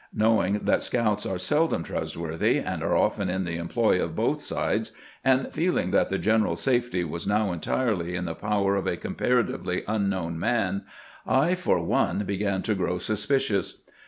Knowing that scouts are seldom trustworthy, and are often in the employ of both sides, and feeling that the general's safety was now entirely in the power of a comparatively unknown man, I, for one, began to grow suspicious.